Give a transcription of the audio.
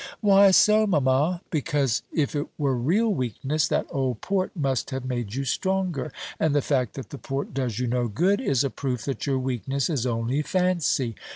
"Why so, mamma?" "Because, if it were real weakness, that old port must have made you stronger. And the fact that the port does you no good, is a proof that your weakness is only fancy.